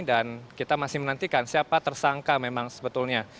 dan kita masih menantikan siapa tersangka memang sebetulnya